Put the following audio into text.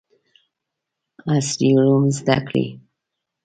عصري علوم زده کړي.